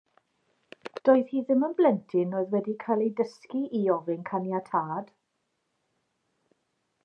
Doedd hi ddim yn blentyn oedd wedi cael ei dysgu i ofyn caniatâd.